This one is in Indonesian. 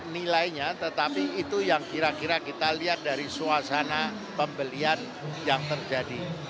nilainya tetapi itu yang kira kira kita lihat dari suasana pembelian yang terjadi